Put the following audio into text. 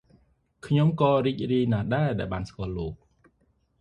ខ្ញុំក៏រីករាយណាស់ដែរ ដែលបានស្គាល់លោក ។